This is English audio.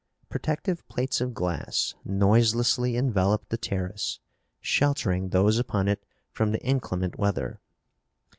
Protective plates of glass noiselessly enveloped the terrace, sheltering those upon it from the inclement weather.